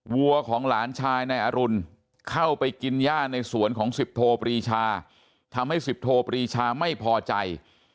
วัวของหลานชายนายอรุณเข้าไปกินย่าในสวนของสิบโทปรีชาทำให้สิบโทปรีชาไม่พอใจ